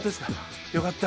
よかった。